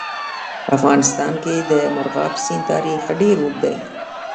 په افغانستان کې د مورغاب سیند تاریخ ډېر اوږد دی.